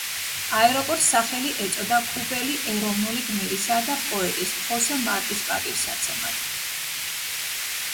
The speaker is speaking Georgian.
აეროპორტს სახელი ეწოდა კუბელი ეროვნული გმირისა და პოეტის ხოსე მარტის პატივსაცემად.